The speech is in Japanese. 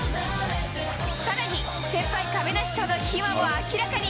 さらに、先輩、亀梨との秘話も明らかに。